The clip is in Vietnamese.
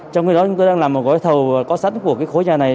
trong khi đó chúng tôi đang làm một gói thầu có sẵn của khối nhà này